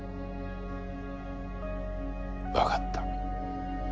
分かった。